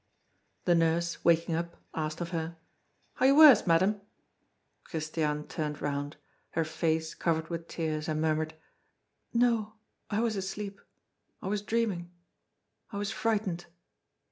The nurse, waking up, asked of her: "Are you worse, Madame?" Christiane turned round, her face covered with tears, and murmured: "No, I was asleep I was dreaming I was frightened."